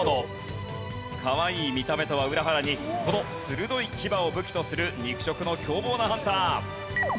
かわいい見た目とは裏腹にこの鋭い牙を武器とする肉食の凶暴なハンター。